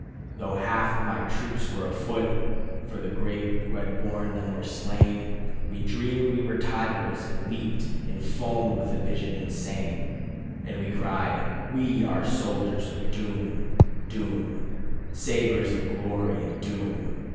Though half of my troops were afoot, (For the great who had borne them were slain) We dreamed we were tigers, and leaped And foamed with that vision insane. We cried "We are soldiers of doom, Doom, Sabres of glory and doom."